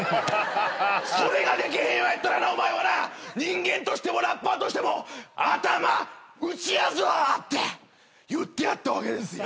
それができへんようやったらなお前はな人間としてもラッパーとしても頭打ちやぞ！」って言ってやったわけですよ。